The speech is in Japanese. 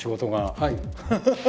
はい。